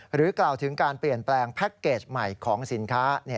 กล่าวถึงการเปลี่ยนแปลงแพ็คเกจใหม่ของสินค้า